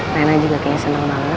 nenek juga kayaknya seneng banget